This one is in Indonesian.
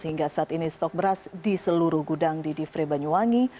hingga saat ini stok beras di seluruh gudang di divre banyuwangi